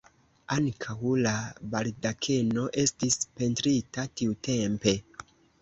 Ankaŭ la baldakeno estis pentrita tiutempe.